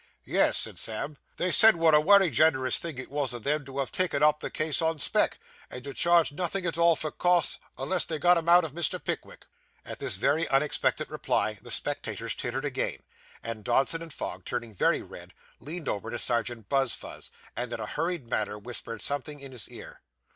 'Yes,' said Sam, 'they said what a wery gen'rous thing it was o' them to have taken up the case on spec, and to charge nothing at all for costs, unless they got 'em out of Mr. Pickwick.' At this very unexpected reply, the spectators tittered again, and Dodson & Fogg, turning very red, leaned over to Serjeant Buzfuz, and in a hurried manner whispered something in his ear.